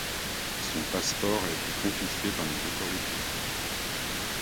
Son passeport a été confisqué par les autorités.